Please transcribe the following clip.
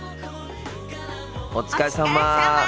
お疲れさま。